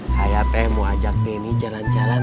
saya teh mau ajak denny jalan jalan